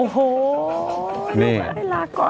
น้องมายลาก่อย